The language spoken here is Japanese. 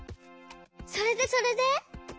それでそれで？